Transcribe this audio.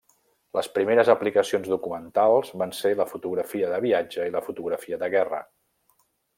Les primeres aplicacions documentals van ser la fotografia de viatge i la fotografia de guerra.